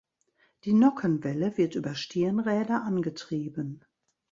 Die Nockenwelle wird über Stirnräder angetrieben.